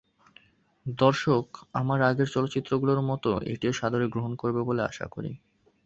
দর্শক আমার আগের চলচ্চিত্রগুলোর মতো এটিও সাদরে গ্রহণ করবেন বলে আশা করি।